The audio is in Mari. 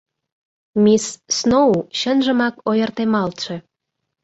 Мисс Сноу чынжымак ойыртемалтше...